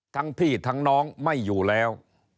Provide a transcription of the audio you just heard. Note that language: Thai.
พี่ทั้งน้องไม่อยู่แล้ว